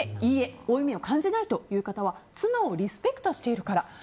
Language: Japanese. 負い目を感じないという方は妻をリスペクトしているから。